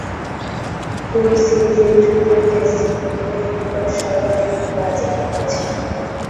পুরো সিরিজের তৃতীয় টেস্টটি দক্ষিণ আফ্রিকার সর্বাপেক্ষা বাজে খেলা ছিল।